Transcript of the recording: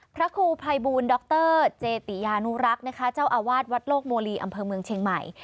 พระครูภัยบูลดรเจติยานุรักษ์นะคะเจ้าอาวาสวัดโลกโมลีอำเภอเมืองเชียงใหม่